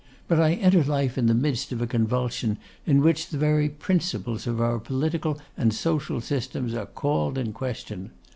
But I enter life in the midst of a convulsion in which the very principles of our political and social systems are called in question.